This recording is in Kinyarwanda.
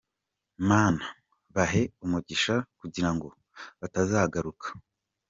Mana, bahe umugisha kugira ngo batazagaruka.